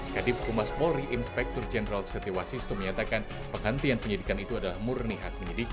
kadif kumas polri inspektur jenderal setiwasistu menyatakan penghentian penyelidikan itu adalah murni hak penyelidik